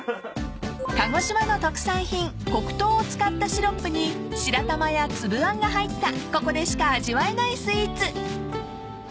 ［鹿児島の特産品黒糖を使ったシロップに白玉や粒あんが入ったここでしか味わえないスイーツ］